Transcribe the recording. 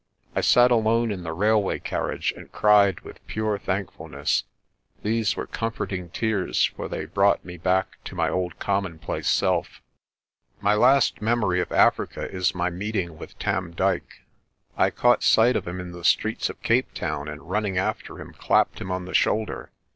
I sat alone in the railway carriage and cried with pure thank fulness. These were comforting tears, for they brought me back to my old commonplace self. UNCLE'S GIFT MULTIPLIED 269 My last memory of Africa is my meeting with Tarn Dyke. I caught sight of him in the streets of Cape Town and run ning after him, clapped him on the shoulder.